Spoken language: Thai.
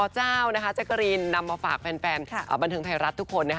อจ้าวแจ๊กดิ์รินนำมาฝากแฟนบันทึงไทยรัฐทุกคน